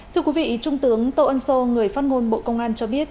thưa quý vị trung tướng tô ân sô người phát ngôn bộ công an cho biết